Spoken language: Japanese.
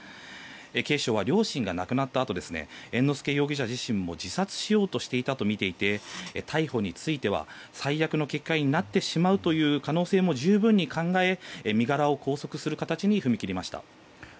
警視庁は両親が亡くなったあと猿之助容疑者自身も自殺しようとしていたとみていて逮捕については最悪の結果になってしまうという可能性も十分に考え身柄を拘束する形に踏み切りました。